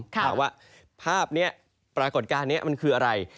ถามว่าภาพนี้ปรากฏการณ์นี้มันคืออะไร